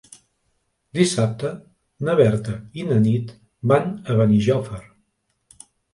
Dissabte na Berta i na Nit van a Benijòfar.